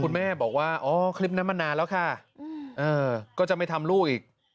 คุณแม่บอกว่าอ๋อคลิปนั้นมานานแล้วค่ะก็จะไม่ทำลูกอีก